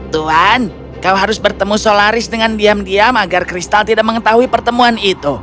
tuhan kau harus bertemu solaris dengan diam diam agar kristal tidak mengetahui pertemuan itu